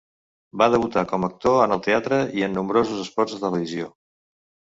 Va debutar com a actor en el teatre, i en nombrosos espots de televisió.